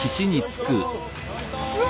うわ！